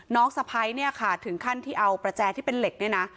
สะพ้ายเนี่ยค่ะถึงขั้นที่เอาประแจที่เป็นเหล็กเนี่ยนะ